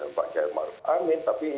tapi ini adalah sebuah bahan introspek